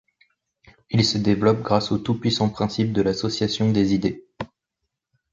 Ils se développent grâce au tout-puissant principe de l’association des idées.